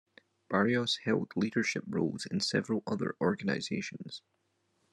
Barrios held leadership roles in several other organizations.